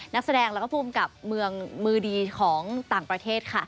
นักแสดงแล้วก็ภูมิกับเมืองมือดีของต่างประเทศค่ะ